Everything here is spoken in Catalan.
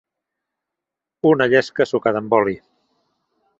Una llesca sucada amb oli.